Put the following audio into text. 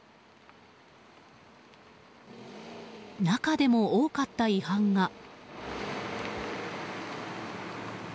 中でも多かった違反が。